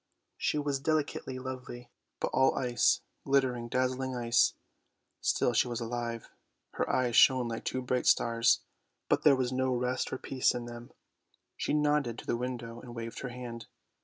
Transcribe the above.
She was delicately lovely, but all ice, glittering, dazzling ice. Still she was alive, her eyes shone like two bright stars, but there was no rest or peace in them. She nodded to the window and waved her hand.